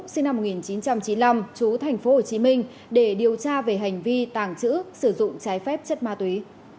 sinh năm một nghìn chín trăm chín mươi năm chú thành phố hồ chí minh để điều tra về hành vi tàng trữ sử dụng trái phép chất ma túy